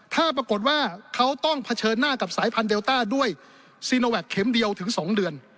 ถ้าปรากฏว่าเขาต้องเผชิญหน้ากับสายพันธุเดลต้าด้วยซีโนแวคเข็มเดียวถึง๒เดือน